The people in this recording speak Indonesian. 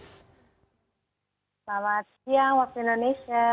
selamat siang waktu indonesia